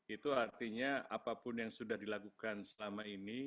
itu artinya apapun yang sudah dilakukan selama ini